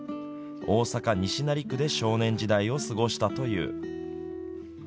大阪、西成区で少年時代を過ごしたという。